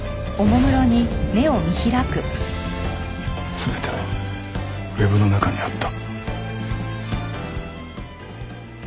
全てはウェブの中にあった。